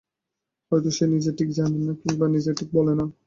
হয়তো সে নিজে ঠিক জানে না, কিংবা নিজে ঠিক বলে না।